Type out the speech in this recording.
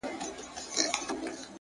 هره لاسته راوړنه وخت غواړي.!